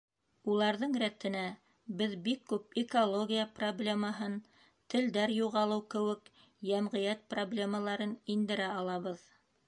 Уларҙың рәтенә беҙ бик күп экология проблемаһын, телдәр юғалыу кеүек йәмғиәт проблемаларын индерә алабыҙ.